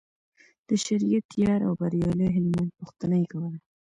د شریعت یار او بریالي هلمند پوښتنه یې کوله.